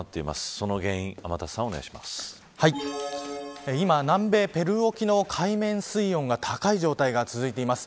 その原因今、南米ペルー沖の海面水温が高い状態が続いています。